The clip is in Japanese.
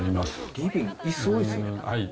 リビング、いす多いですね。